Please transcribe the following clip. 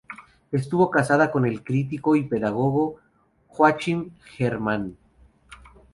Estuvo casada con el crítico y pedagogo Joachim Hermann.